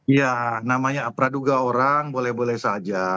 ya namanya praduga orang boleh boleh saja